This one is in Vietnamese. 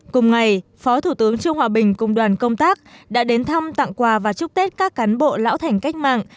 cùng ngày phó thủ tướng trương hòa bình cùng đoàn công tác đã đến thăm tặng quà và chúc tết các cán bộ lão thành cách mạng